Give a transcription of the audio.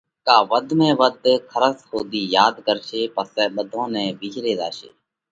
ڪا وڌ ۾ وڌ کرس ۿُوڌِي ياڌ ڪرشي پسئہ ٻڌون نئہ وِيهري زاشي۔